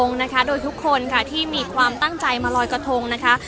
นะคะโดยทุกคนค่ะที่มีความตั้งใจมาลอยกระทงนะคะ